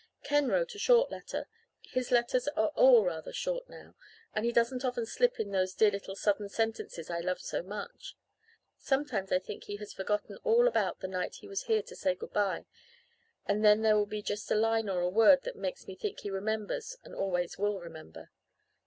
"Ken wrote a short letter. His letters are all rather short now and he doesn't often slip in those dear little sudden sentences I love so much. Sometimes I think he has forgotten all about the night he was here to say goodbye and then there will be just a line or a word that makes me think he remembers and always will remember.